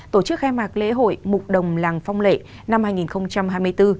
tổ chức khai mạc lễ hội mục đồng làng phong lệ năm hai nghìn hai mươi bốn